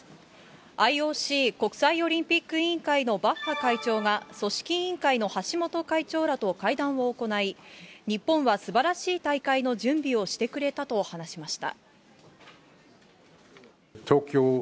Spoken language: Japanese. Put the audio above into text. ＩＯＣ・国際オリンピック委員会のバッハ会長が、組織委員会の橋本会長らと会談を行い、日本はすばらしい大会の準備をしてくれたと話しました。